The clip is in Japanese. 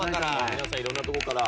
皆さん色んなとこから。